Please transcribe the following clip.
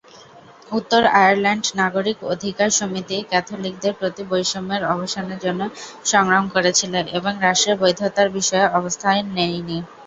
উত্তর আয়ারল্যান্ড নাগরিক অধিকার সমিতি ক্যাথলিকদের প্রতি বৈষম্যের অবসানের জন্য সংগ্রাম করেছিল এবং রাষ্ট্রের বৈধতার বিষয়ে অবস্থান নেয়নি।